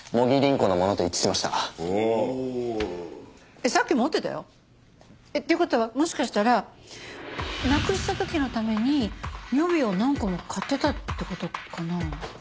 えっさっき持ってたよ。っていう事はもしかしたらなくした時のために予備を何個も買ってたって事かな？